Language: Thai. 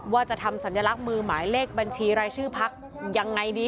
ว่าจะทำสัญลักษณ์มือหมายเลขบัญชีรายชื่อพักยังไงดี